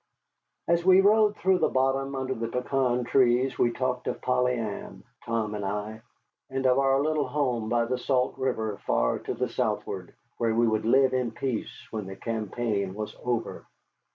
As we rode through the bottom under the pecan trees we talked of Polly Ann, Tom and I, and of our little home by the Salt River far to the southward, where we would live in peace when the campaign was over.